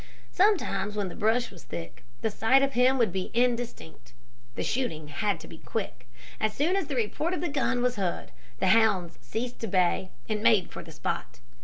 Sometimes when the brush was thick, the sight of him would be indistinct. The shooting had to be quick. As soon as the report of the gun was heard, the hounds ceased to bay, and made for the spot.